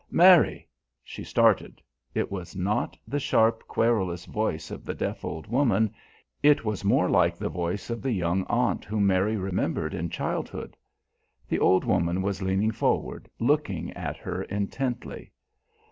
"Mary!" She started. It was not the sharp, querulous voice of the deaf old woman, it was more like the voice of the young aunt whom Mary remembered in childhood. The old woman was leaning forward, looking at her intently.